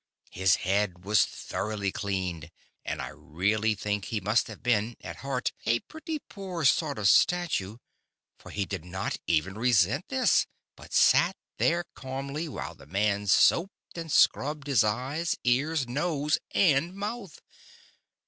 His head was thoroughly cleaned, and I really think he must have been, at heart, a pretty poor sort of Statue, for he did not even resent this, but sat there calmly, while the man soaped and scrubbed his eyes, ears, nose, and mouth.